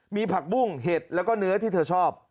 มีผักบุ้งเห็ดแล้วก็เนื้อที่เธอชอบ